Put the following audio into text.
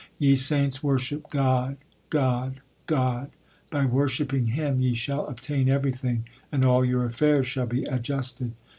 Ye saints, worship God, God, God : By worshipping Him ye shall obtain everything, and all your affairs shall be adjusted.